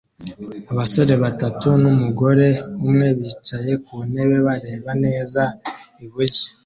Abasore batatu numugore umwe bicaye ku ntebe bareba neza iburyo